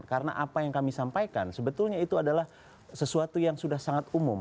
karena apa yang kami sampaikan sebetulnya itu adalah sesuatu yang sudah sangat umum